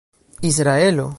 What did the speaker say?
israelo